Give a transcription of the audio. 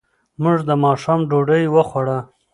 موږ د ماښام ډوډۍ وخوړه.